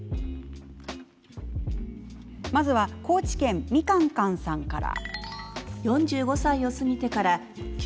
高知県、みかんかんさんから。